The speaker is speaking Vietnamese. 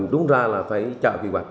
đúng ra là phải chờ quy hoạch